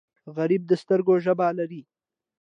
غریب د سترګو ژبه لري